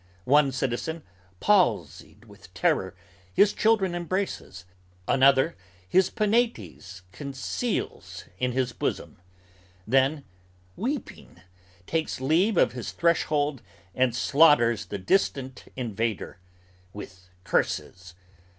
One citizen, palsied With terror, his children embraces: another, his penates Conceals in his bosom; then, weeping, takes leave of his threshold And slaughters the distant invader with curses!